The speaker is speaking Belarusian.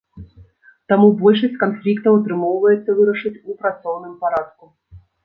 Таму большасць канфліктаў атрымоўваецца вырашыць у працоўным парадку.